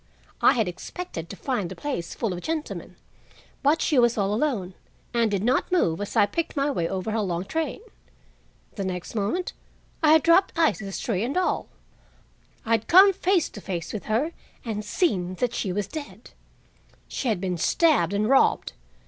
I had expected to find the place full of gentlemen, but she was all alone, and did not move as I picked my way over her long train. The next moment I had dropped ices, tray and all. I bad come face to face with her and seen that she was dead. She had been stabbed and robbed.